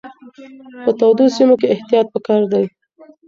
په تودو سیمو کې احتیاط پکار دی.